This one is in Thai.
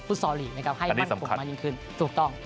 พุทธสอลีกให้มั่นคงมายิ่งขึ้น